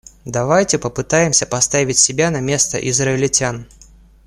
Давайте попытаемся поставить себя на место израильтян.